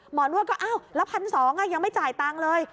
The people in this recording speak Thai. หมอนวดก็อ้าวแล้วพันธุ์สองยังไม่จ่ายตังค์เลย